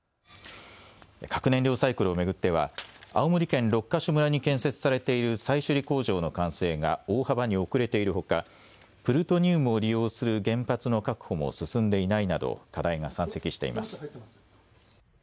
核燃料サイクルを巡っては青森県六ヶ所村に建設されている再処理工場の完成が大幅に遅れているほかプルトニウムを利用する原発の確保も進んでいないなど課題が山積しています。